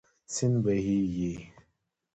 سیند بهېږي.